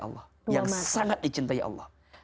satu mata yang sangat dicintai allah